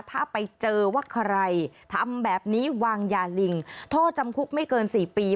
ถ้าไปเจอว่าใครทำแบบนี้วางยาลิงโทษจำคุกไม่เกิน๔ปี